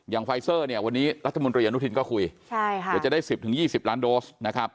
อย่างไฟซ่อเนี่ยวันนี้รัฐบาลประเทศนุธินก็คุยเดี๋ยวจะได้๑๐ถึง๒๐ล้านโดสนะครับ